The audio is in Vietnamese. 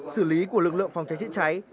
xử lý của lực lượng phòng cháy chữa cháy